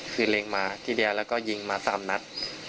คือเล็งมาทีเดียวแล้วก็ยิงมา๓นัด